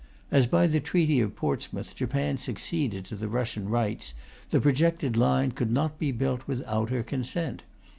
As by the Treaty of Portsmouth, Japan succeeded to the Russian rights, the projected line could not be built without her consent.